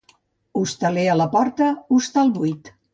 Hostaler a la porta, hostal buit.